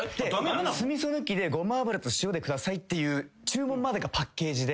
酢みそ抜きでごま油と塩でくださいっていう注文までがパッケージで。